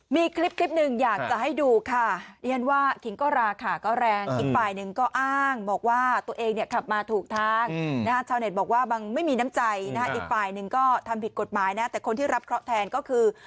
มีคลิปหนึ่งอยากจะให้ดูค่ะเรียนว่าขิงก็ราคาก็แรงอีกฝ่ายหนึ่งก็อ้างบอกว่าตัวเองเนี่ยขับมาถูกทางนะฮะชาวเน็ตบอกว่าบางไม่มีน้ำใจนะฮะอีกฝ่ายหนึ่งก็ทำผิดกฎหมายนะแต่คนที่รับเคราะห์แทนก็คือ